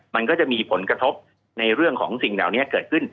มันก็จะมีผลกระทบในเรื่องของสิ่งเหล่านี้เกิดขึ้น